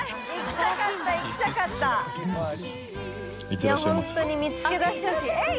いや本当に見つけ出してほしい。